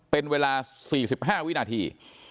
เป็นเวลา๔๕วินาที